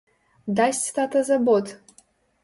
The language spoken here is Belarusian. Дасць тата за бот!